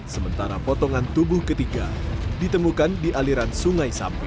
sementara potongan tubuh ketiga ditemukan di aliran sungai sapi